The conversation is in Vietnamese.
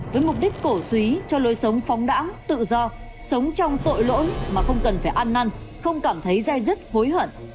với mục đích cổ suý cho lối sống phóng đẳng tự do sống trong tội lỗi mà không cần phải ăn năn không cảm thấy dai dứt hối hận